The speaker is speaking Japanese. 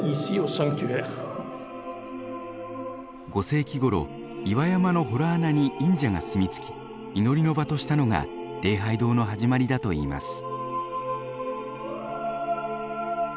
５世紀ごろ岩山の洞穴に隠者が住み着き祈りの場としたのが礼拝堂の始まりだといいます。